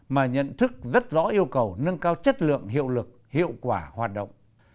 mà nhận thức rất rõ yêu cầu nâng cao chất lượng hiệu lực hiệu quả hoạt động